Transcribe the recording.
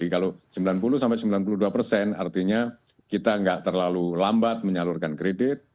kalau sembilan puluh sampai sembilan puluh dua persen artinya kita nggak terlalu lambat menyalurkan kredit